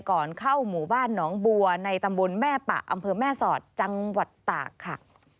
ก่อนเข้าหมู่บ้านหนองบัวในตำบลแม่ปะอำเภอแม่สอดจังหวัดตากค่ะ